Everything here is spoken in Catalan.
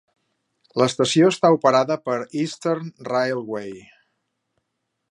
L'estació està operada per Eastern Railway.